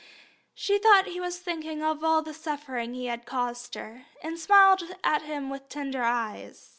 She thought he was thinking of all the suffering he had caused her, and smiled at him with tender eyes.